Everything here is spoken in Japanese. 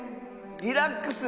「リラックス。